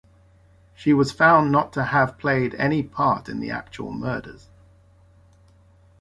She was found not to have played any part in the actual murders.